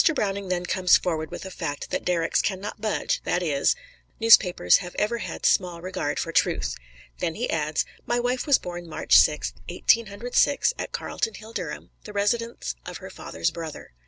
Browning then comes forward with a fact that derricks can not budge, that is, "Newspapers have ever had small regard for truth." Then he adds, "My wife was born March Sixth, Eighteen Hundred Six, at Carlton Hall, Durham, the residence of her father's brother."